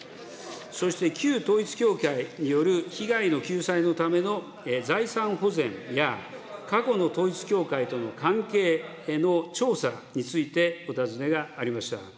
そして、旧統一教会による被害の救済のための財産保全や、過去の統一教会との関係の調査についてお尋ねがありました。